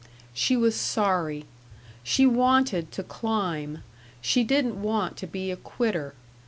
She was sorry. She wanted to climb. She didn't want to be a quitter.